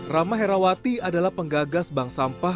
rama herawati adalah penggagas bank sampah